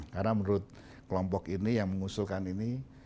karena menurut kelompok ini yang mengusulkan ini